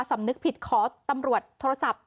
สำนึกผิดขอตำรวจโทรศัพท์